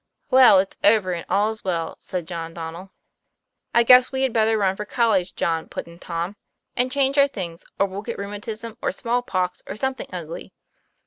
" Well, it's over and all is well, " said John Donnel. " I guess we had better run for college, John," put in Tom, "and change our things, or we'll get rheu matism or small pox, or something ugly.